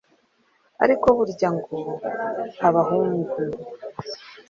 ariko burya ngo abahungu